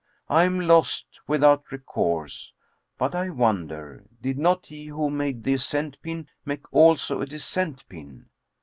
I am lost without recourse; but I wonder, did not he who made the ascent pin make also a descent pin?"